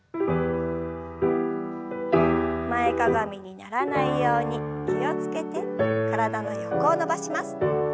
前かがみにならないように気を付けて体の横を伸ばします。